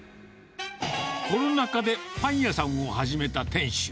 コロナ禍でパン屋さんを始めた店主。